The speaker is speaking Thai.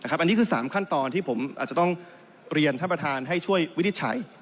อันนี้คือ๓ขั้นตอนที่ผมอาจจะต้องเรียนท่านประธานให้ช่วยวินิจฉัย